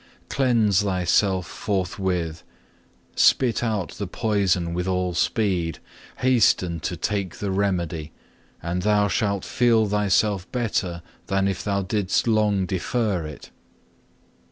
Cleanse thyself forthwith, spit out the poison with all speed, hasten to take the remedy, and thou shalt feel thyself better than if thou didst long defer it.